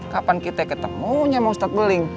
kapan kita ketemunya sama ustadz beling